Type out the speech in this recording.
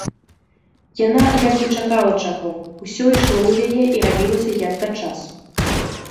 Яна як бы чакала чаго, усё ішло ў яе і рабілася як да часу.